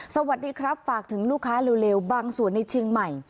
สวัสดีครับฝากถึงลูกค้าเร็วบางส่วนในเชียงใหม่